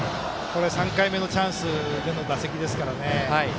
３回目のチャンスでの打席ですから。